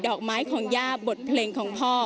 อกไม้ของย่าบทเพลงของพ่อ